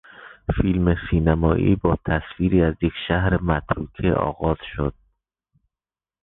فیلم سینمایی با تصویری از یک شهر مترو که آغاز شد.